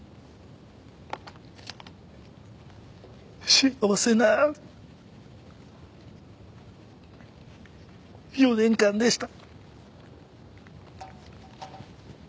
幸せな４年間でした。